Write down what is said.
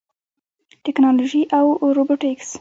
ټیکنالوژي او روبوټکس